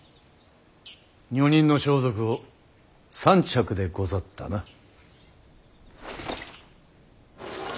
女人の装束を３着でござったな。